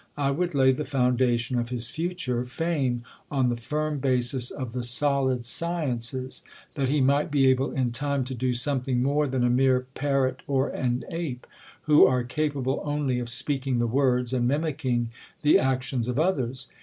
I would lay the foundation of his future fame on the firm basis of the solid sciences ; that he might be able in time to do something more than a mere parrot^ or an ape, who arc capable only of speaking the words, and mimicking the actions of others.